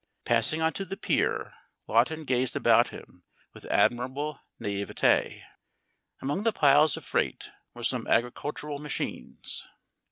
Passing onto the pier, Lawton gazed about him with admirable naïveté. Among the piles of freight were some agricultural machines.